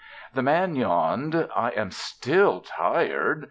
"] The Man yawned. "I am still tired.